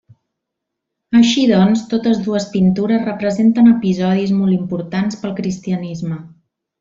Així doncs totes dues pintures representen episodis molt importants pel cristianisme.